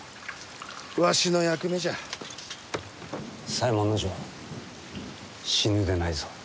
左衛門尉死ぬでないぞ。